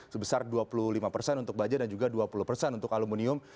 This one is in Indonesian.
sebesar dua puluh lima persen untuk baja dan juga dua puluh persen untuk aluminium